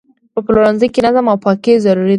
په پلورنځي کې نظم او پاکي ضروري ده.